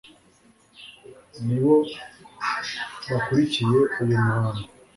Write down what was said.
nibo bakurikiye uyu muhango.